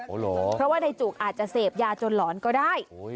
เพราะว่าในจุกอาจจะเสพยาจนหลอนก็ได้